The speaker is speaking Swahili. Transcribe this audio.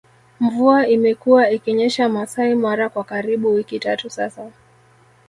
Mvua imekuwa ikinyesha Maasai Mara kwa karibu wiki tatu sasa